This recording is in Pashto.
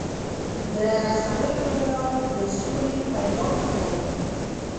د رسنیو له لارې د سولې پیغام خپرېږي.